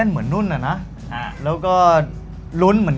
หุ่นสูงนักโรงเรียน